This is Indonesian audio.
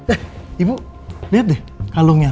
eh ibu lihat deh kalungnya